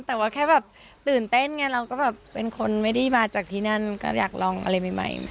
แต่ว่าแค่แบบตื่นเต้นไงเราก็แบบเป็นคนไม่ได้มาจากที่นั่นก็อยากลองอะไรใหม่